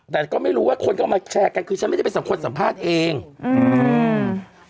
แต่ก็ไม่รู้ว่าคนก็เอามาแชร์กันคือฉันไม่ได้เป็นสังคมสัมภาษณ์เองอืม